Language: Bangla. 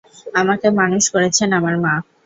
আমাকে মানুষ করেছেন আমার মা।